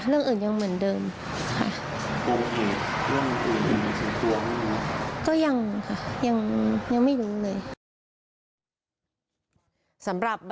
เรื่องอื่นยังเหมือนเดิมค่ะกันหมดหรือสังตัวไม่รู้ยังค่ะ